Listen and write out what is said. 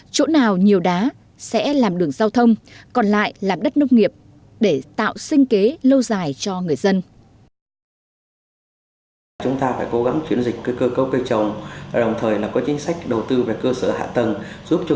chỗ nào nhiều đá sẽ làm đường giao thông còn lại làm đất nông nghiệp